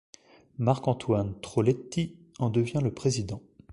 Marc-Antoine Troletti, en devient le président.